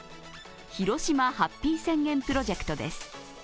広島ＨＡＰＰＹ宣言プロジェクトです。